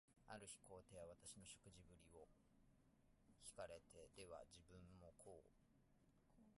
ある日、皇帝は私の食事振りを聞かれて、では自分も皇后、皇子、皇女たちと一しょに、私と会食がしてみたいと望まれました。